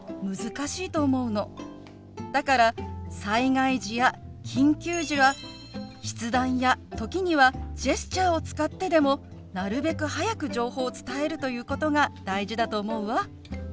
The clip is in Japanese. だから災害時や緊急時は筆談や時にはジェスチャーを使ってでもなるべく早く情報を伝えるということが大事だと思うわ。